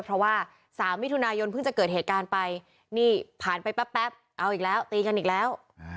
เพราะว่า๓มิถุนายนเพิ่งจะเกิดเหตุการณ์ไปนี่ผ่านไปแป๊บเอาอีกแล้วตีกันอีกแล้ว